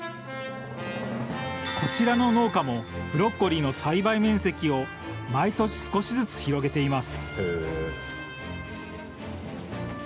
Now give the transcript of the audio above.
こちらの農家もブロッコリーの栽培面積を毎年少しずつ広げています。